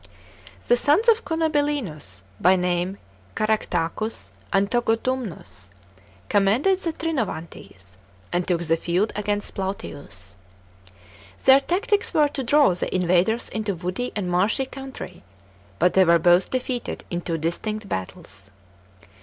The sons of Cunobellinus, by name Caractacus f and Togodumnus, commanded the Trinovantes, and took the field against Plautius. Their tactics were to draw the invaders into woody and marshy country, but they were both defeated in two distinct battles.